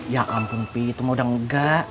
ya ampun pi itu mau dangga